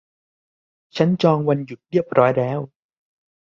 ฉันจองวันหยุดเรียบร้อยแล้ว